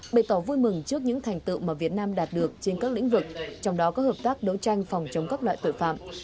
bày tỏ vui mừng trước những thành tựu mà việt nam đạt được trên các lĩnh vực trong đó có hợp tác đấu tranh phòng chống các loại tội phạm